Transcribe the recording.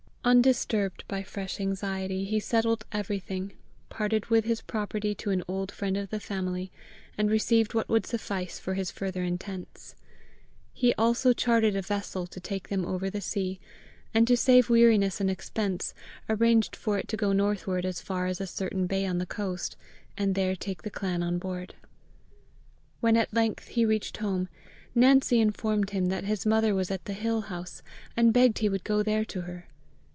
Undisturbed by fresh anxiety, he settled everything, parted with his property to an old friend of the family, and received what would suffice for his further intents. He also chartered a vessel to take them over the sea, and to save weariness and expense, arranged for it to go northward as far as a certain bay on the coast, and there take the clan on board. When at length he reached home, Nancy informed him that his mother was at the hill house, and begged he would go there to her.